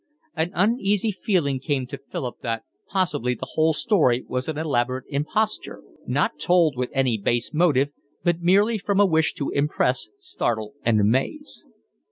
An uneasy feeling came to Philip that possibly the whole story was an elaborate imposture, not told with any base motive, but merely from a wish to impress, startle, and amaze.